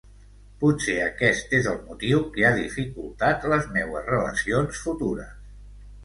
Potser aquest és el motiu que ha dificultat les meues relacions futures.